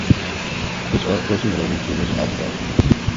This art closely related to this alphabet.